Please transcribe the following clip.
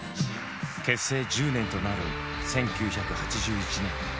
結成１０年となる１９８１年。